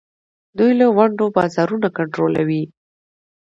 دوی د ونډو بازارونه کنټرولوي.